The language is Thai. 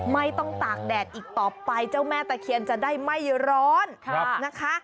ไม่ต้องตากแดดอีกต่อไปเจ้าแม่ตะเคียนจะได้ไม่ร้อนนะคะ